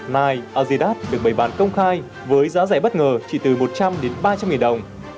nige azidat được bày bán công khai với giá rẻ bất ngờ chỉ từ một trăm linh đến ba trăm linh nghìn đồng